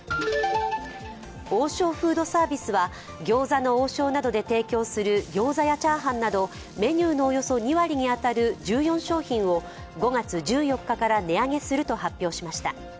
王将フードサービスは餃子の王将などで提供する餃子やチャーハンなどメニューのおよそ２割に当たる１４商品を５月１４日から値上げすると発表しました。